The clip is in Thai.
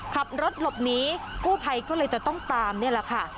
ขับรถหลบหนีกู้ภัยก็เลยจะต้องตามนี่แหละค่ะ